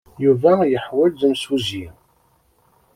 Yuba yeḥwaj imsujji?